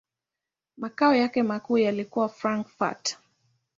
Makao yake makuu yalikuwa Frankfurt.